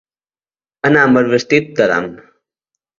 Anar amb el vestit d'Adam.